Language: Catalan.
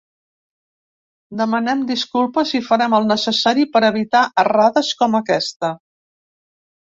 Demanem disculpes i farem el necessari per evitar errades com aquesta.